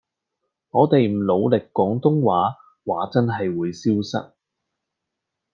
我地唔努力廣東話話真係會消失